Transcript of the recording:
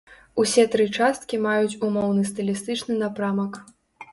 Усе тры часткі маюць умоўны стылістычны напрамак.